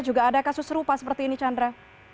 juga ada kasus serupa seperti ini chandra